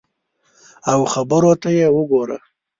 او خبرو ته یې وګوره !